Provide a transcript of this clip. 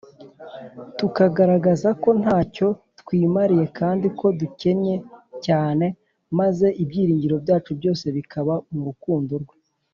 Tukagaragaza ko ntacyo twimariye kandi ko dukennye cyane, maze ibyiringiro byacu byose bikaba mu rukundo rwe.